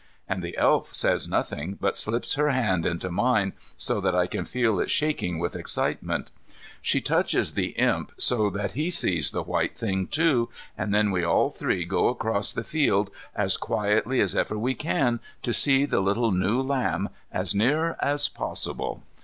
And the Elf says nothing, but slips her hand into mine, so that I can feel it shaking with excitement. She touches the Imp, so that he sees the white thing, too, and then we all three go across the field as quietly as ever we can to see the little new lamb as near as possible.